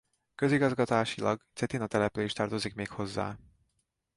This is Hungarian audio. Közigazgatásilag Cetina település tartozik még hozzá.